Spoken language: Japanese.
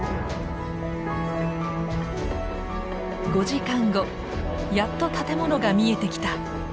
５時間後やっと建物が見えてきた！